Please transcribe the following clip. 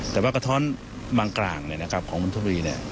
แต่ว่ากะท้อนบางกลางของน้วนทบุรีเนี่ย